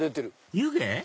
湯気？